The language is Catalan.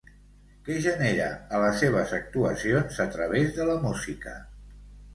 Què genera a les seves actuacions a través de la música?